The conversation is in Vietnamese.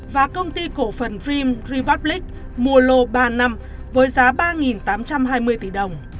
và công ty cổ phần dream republic mua lô ba mươi năm với giá ba tám trăm hai mươi tỷ đồng